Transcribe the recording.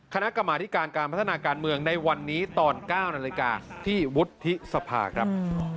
คณะกรรมาธิการการพัฒนาการเมืองในวันนี้ตอน๙นาฬิกาที่วุฒิสภาครับ